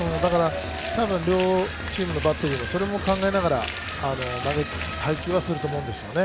多分、両チームのバッテリーはそれも考えながら配球はすると思うんですね。